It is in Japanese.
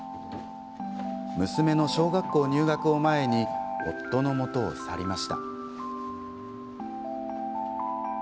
娘の小学校入学を前に夫のもとを去りました。